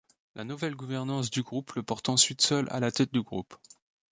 La nouvelle gouvernance du groupe le porte ensuite seul à la tête du groupe.